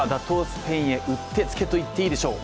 スペインへうってつけと言っていいでしょう